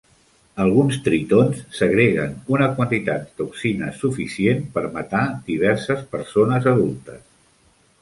Alguns tritons segreguen una quantitat de toxines suficient per matar diverses persones adultes.